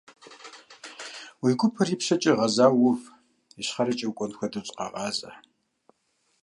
Уи гупэр ипщэкӀэ гъэзауэ ув, ищхъэрэкӀэ укӀуэн хуэдэу зыкъэгъазэ.